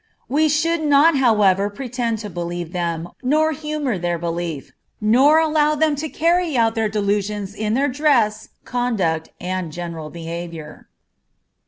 We should not however pretend to believe them, nor humor their belief, nor allow them to carry out their delusions in their dress, conduct, and general behavior.